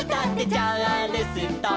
「チャールストン」